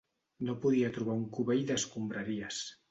No podia trobar un cubell d'escombraries.